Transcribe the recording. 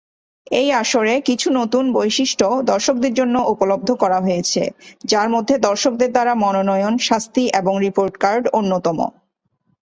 এই আসরে, কিছু নতুন বৈশিষ্ট্য দর্শকদের জন্য উপলব্ধ করা হয়েছে; যার মধ্যে দর্শকদের দ্বারা মনোনয়ন, শাস্তি এবং রিপোর্ট কার্ড অন্যতম।